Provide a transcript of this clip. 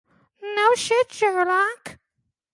The entrance hall floor is by Gilbert Bayes.